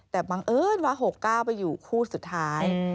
แต่บังเอิญว่า๖๙ไปอยู่คู่สุดท้าย